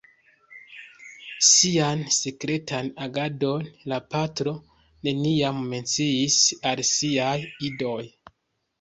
Sian sekretan agadon la patro neniam menciis al siaj idoj.